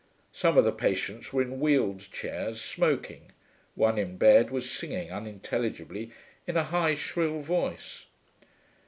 Some of the patients were in wheeled chairs, smoking. One, in bed, was singing, unintelligibly, in a high, shrill voice.